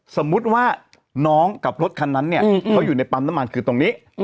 สมมุติว่าน้องกับรถคันนั้นเนี่ยเขาอยู่ในปั๊มน้ำมันคือตรงนี้